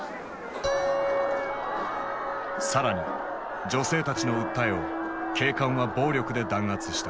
更に女性たちの訴えを警官は暴力で弾圧した。